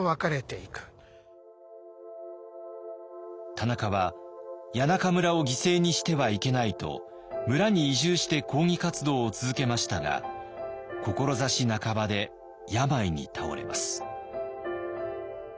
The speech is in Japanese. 田中は谷中村を犠牲にしてはいけないと村に移住して抗議活動を続けましたが志半ばで病に倒れます。